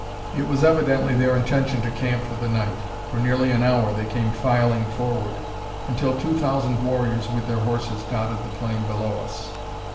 It was evidently their intention to camp for the night. For nearly an hour they came filing forward, until two thousand warriors, with their horses, dotted the plain below us.